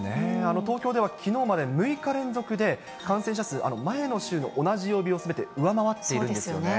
東京ではきのうまで６日連続で、感染者数、前の週の同じ曜日をすべて上回っているんですよね。